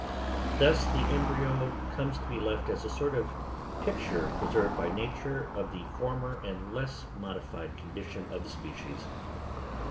Thus the embryo comes to be left as a sort of picture, preserved by nature, of the former and less modified condition of the species.